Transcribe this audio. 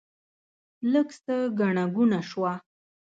لږ څه ګڼه ګوڼه شوه.